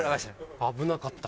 危なかった。